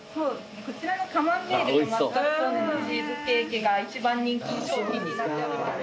こちらのカマンベールとマスカルポーネのチーズケーキが一番人気商品になっております。